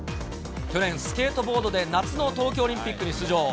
去年、スケートボードで夏の東京オリンピックに出場。